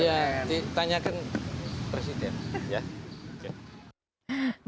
iya tanyakan presiden